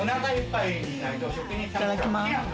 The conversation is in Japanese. いただきます。